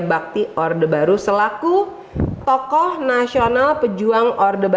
bakti orde baru selaku com id